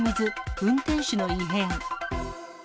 運転手の異変。